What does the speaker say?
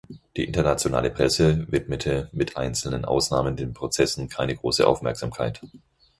Die internationale Presse widmete mit einzelnen Ausnahmen den Prozessen keine große Aufmerksamkeit.